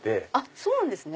そうなんですね。